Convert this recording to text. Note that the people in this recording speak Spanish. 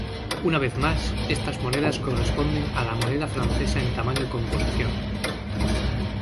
Una vez más, estas monedas corresponden a la moneda francesa en tamaño y composición.